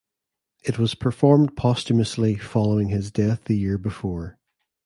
It was performed posthumously following his death the year before.